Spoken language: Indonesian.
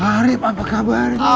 parip apa kabarnya